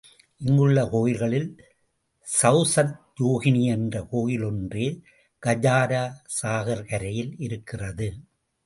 இங்குள்ள கோயில்களில் சௌசத்யோகினி என்ற கோயில் ஒன்றே கஜுரா சாகர் கரையில் இருக்கிறது.